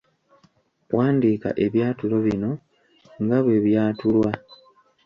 Wandiika ebyatulo bino nga bwe byatulwa.